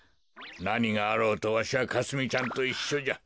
なにがあろうとわしはかすみちゃんといっしょじゃ。